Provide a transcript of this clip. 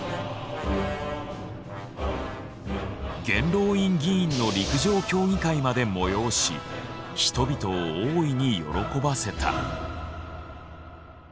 元老院議員の陸上競技会まで催し人々を大いに喜ばせた。